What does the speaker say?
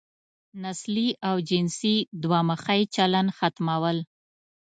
نسلي او جنسي دوه مخی چلن ختمول.